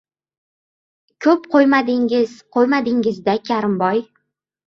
— Ko‘p qo‘ymadingiz-qo‘ymadingiz-da, Karimboy.